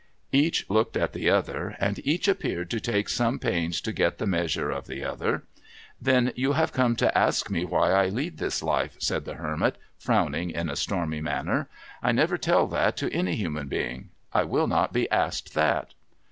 Each looked at the other, and each appeared to take some pains to get the measure of the other. ' Then you have come to ask me why I lead this life,' said the Hermit, frowning in a stormy manner. * I never tell that to any human being. I will not be asked that.'